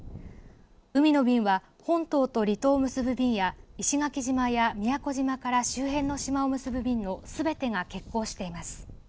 海の便は本島と離島を結ぶ便や石垣島や宮古島から周辺の島を結ぶ便のすべてが欠航しています。